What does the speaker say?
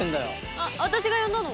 「あっ私が呼んだの」